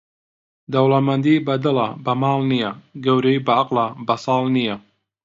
دەوڵەمەندی بەدڵە بە ماڵ نییە، گەورەیی بە عەقڵە بە ساڵ نییە.